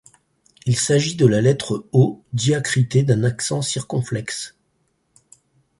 Il s’agit de la lettre O diacritée d’un accent circonflexe.